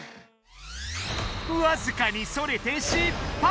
わずかにそれて失敗！